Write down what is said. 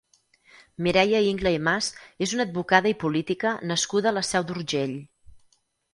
Mireia Ingla i Mas és una advocada i política nascuda a la Seu d'Urgell.